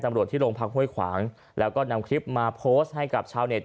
ตำรวจที่โรงพักห้วยขวางแล้วก็นำคลิปมาโพสต์ให้กับชาวเต็